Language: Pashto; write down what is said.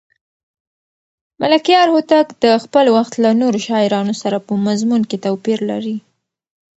ملکیار هوتک د خپل وخت له نورو شاعرانو سره په مضمون کې توپیر لري.